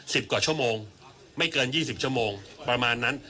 กว่าชั่วโมงไม่เกินยี่สิบชั่วโมงประมาณนั้น